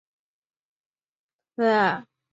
大学时代所属落语研究会。